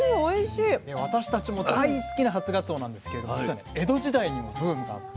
私たちも大好きな初がつおなんですけれども実はね江戸時代にもブームがあって。